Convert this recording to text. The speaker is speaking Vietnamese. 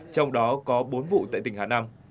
trong đó có bốn vụ tại tỉnh hà nam